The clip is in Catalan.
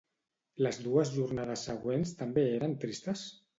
Les dues jornades següents també eren tristes?